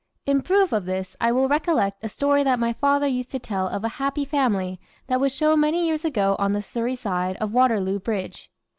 In proof of this I well recollect a story that my father used to tell of "a happy family" that was shown many years ago on the Surrey side of Waterloo Bridge.